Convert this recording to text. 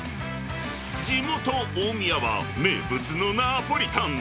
地元、大宮は名物のナポリタン。